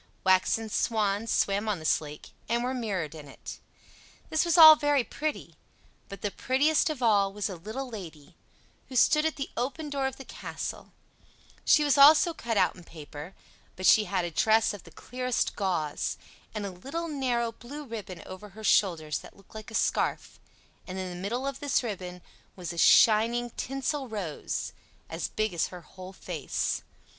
Waxen swans swam on this lake, and were mirrored in it. This was all very pretty; but the prettiest of all was a little Lady, who stood at the open door of the castle; she was also cut out in paper, but she had a dress of the clearest gauze, and a little narrow blue ribbon over her shoulders that looked like a scarf; and in the middle of this ribbon was a shining tinsel rose, as big as her whole face.